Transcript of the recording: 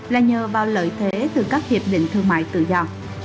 là nhờ vào lợi thế từ các hiệp định thương mại tự do